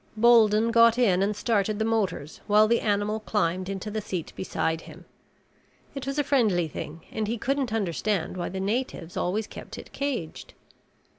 Bolden got in and started the motors while the animal climbed into the seat beside him. It was a friendly thing and he couldn't understand why the natives always kept it caged.